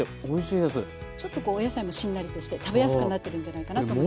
ちょっとお野菜もしんなりとして食べやすくなってるんじゃないかなと思います。